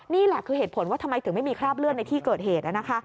นี่แหละคือเหตุผลว่าทำไมถึงไม่มีคราบเลือดในที่เกิดเหตุนะคะ